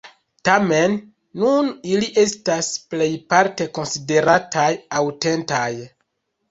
Tamen, nun ili estas plejparte konsiderataj aŭtentaj.